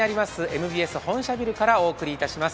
ＭＢＳ本社ビルからお届けします。